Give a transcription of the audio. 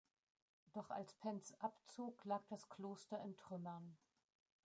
Doch als Pentz abzog, lag das Kloster in Trümmern.